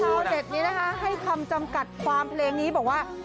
ใช่ทีเท้าเสร็จนี้นะฮะให้คำจำกัดความเพลงนี้บอกว่า